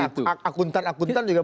artinya akuntan akuntan juga penting